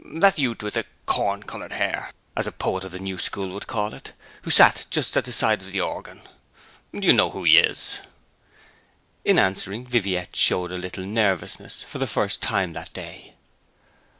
'That youth with the "corn coloured" hair, as a poet of the new school would call it, who sat just at the side of the organ. Do you know who he is?' In answering Viviette showed a little nervousness, for the first time that day.